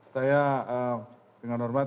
saya dengan hormat